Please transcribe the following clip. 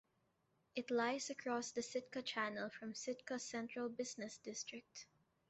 It lies across the Sitka Channel from Sitka's central business district.